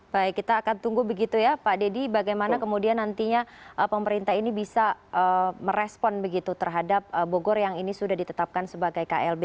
baik kita akan tunggu begitu ya pak deddy bagaimana kemudian nantinya pemerintah ini bisa merespon begitu terhadap bogor yang ini sudah ditetapkan sebagai klb